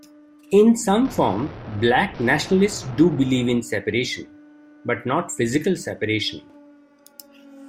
In some form, black nationalists do believe in separation, but not physical separation.